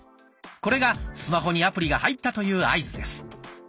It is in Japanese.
これがスマホにアプリが入ったという合図です。